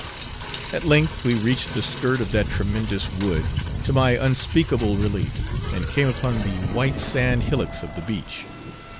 At length we reached the skirt of that tremendous wood, to my unspeakable relief, and came upon the white sand hillocks of the beach.